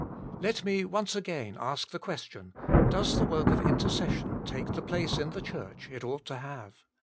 Let me once again ask the question : Does the work of intercession take the place in the Church it ought to have